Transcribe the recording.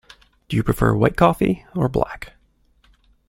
Do you prefer white coffee, or black?